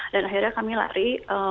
dan akhirnya kami lari